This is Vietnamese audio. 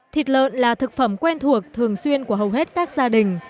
thịt lợn là thực phẩm quen thuộc thường xuyên của hầu hết các gia đình